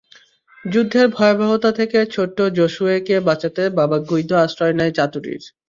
যুদ্ধের ভয়াবহতা থেকে ছোট্ট জোসুয়েকে বাঁচাতে বাবা গুইদো আশ্রয় নেয় চাতুরির।